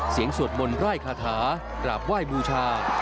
เสียงสวดมนต์ร่ายคาถาราบว่ายบูชา